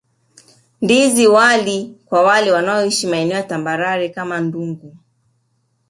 Ndizi wali kwa wale wanaoishi maeneo ya tambarare kama Ndungu